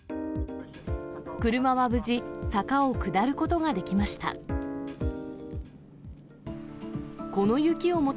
車は無事、坂を下ることができました。